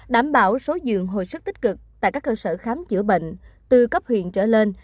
đảm bảo số dường hồi sức tích cực tại các cơ sở khám chữa bệnh từ cấp huyện trở lên